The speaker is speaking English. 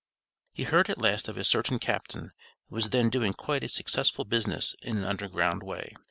He heard at last of a certain Captain, who was then doing quite a successful business in an Underground way.